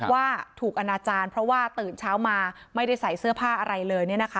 ว่าถูกอนาจารย์เพราะว่าตื่นเช้ามาไม่ได้ใส่เสื้อผ้าอะไรเลย